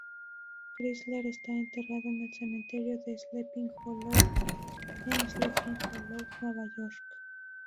Chrysler está enterrado en el cementerio de Sleepy Hollow en Sleepy Hollow, Nueva York.